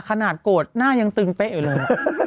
ขนาดโกรธหน้ายังตึงเป๊ะอยู่เลย